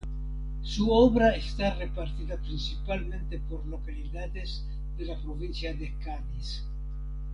Su obra está repartida principalmente por localidades de la provincia de Cádiz.